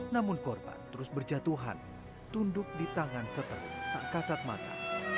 namun korban terus berjatuhan tunduk di tangan seteru tak kasat mata